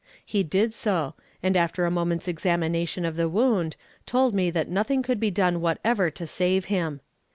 He did so, and after a moment's examination of the wound told me that nothing could be done whatever to save him.